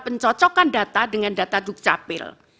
pencocokan data dengan data dukcapil